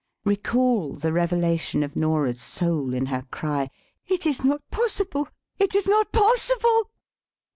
Recall the revelation of Nora's soul in her cry: "It is not possible! It is not possible!"